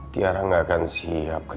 tiara gak mau mencintai mama